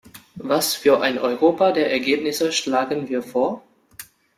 Was für ein Europa der Ergebnisse schlagen wir vor?